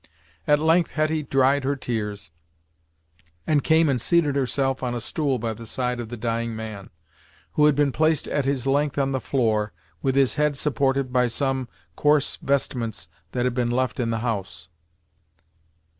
At length Hetty dried her tears, and came and seated herself on a stool by the side of the dying man, who had been placed at his length on the floor, with his head supported by some coarse vestments that had been left in the house.